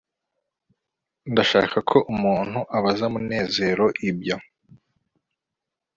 ndashaka ko umuntu abaza munezero ibyo